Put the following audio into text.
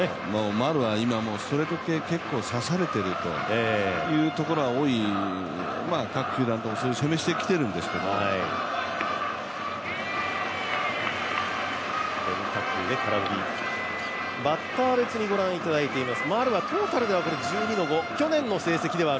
丸は今ストレート系結構指されてるっていうところは多い各球団、それできているんですけどバッター別にご覧いただいています。